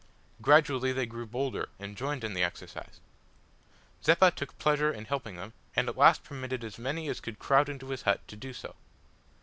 Gradually they grew bolder, and joined in the exercise. Zeppa took pleasure in helping them, and at last permitted as many as could crowd into his hut to do so.